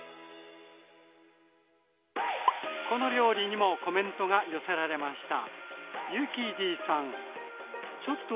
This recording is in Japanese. この料理にもコメントが寄せられました。